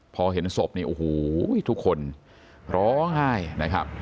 พอเห็นศพนี่โอ้โหทุกคนร้องไห้นะครับ